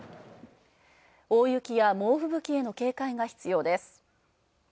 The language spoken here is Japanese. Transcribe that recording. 大雪や猛ふぶきへの警戒が必要です。